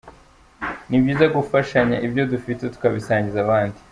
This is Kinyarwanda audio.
Ni byiza gufashanya, ibyo dufite tukabisangiza abandi.